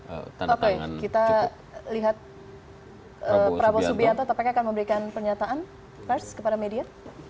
oke kita lihat prabowo subianto tampaknya akan memberikan pernyataan pers kepada media